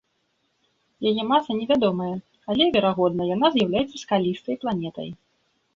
Яе маса невядомая, але, верагодна, яна з'яўляецца скалістай планетай.